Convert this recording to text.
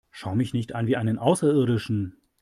Schau mich nicht an wie einen Außerirdischen!